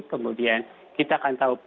kemudian kita akan tahu